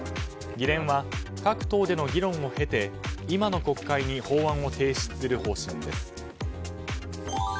議連は各党での議論を経て、今の国会に法案を提出する方針です。